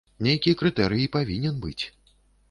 Нейкі крытэрый павінен быць.